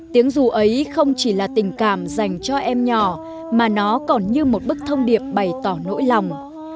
tiếng dù ấy không chỉ là tình cảm dành cho em nhỏ mà nó còn như một bức thông điệp bày tỏ nỗi lòng